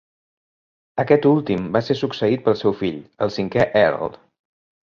Aquest últim va ser succeït pel seu fill, el cinquè Earl.